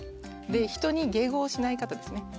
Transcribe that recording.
で人に迎合しない方ですね。